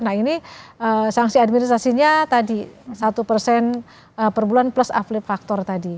nah ini saksi administrasinya tadi satu per bulan plus aflip faktor tadi